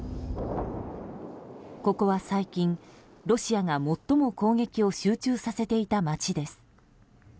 ここは最近、ロシアが最も攻撃を集中させていた街です。